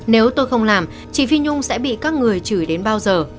nếu tôi không làm chị phi nhung sẽ bị các người chửi đến bao giờ